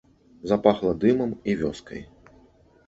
Запахла дымам і вёскай.